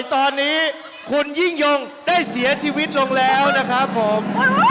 ตอนนี้คุณยิ่งยงได้เสียชีวิตลงแล้วนะครับผม